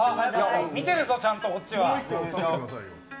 みてるぞちゃんとこっちは。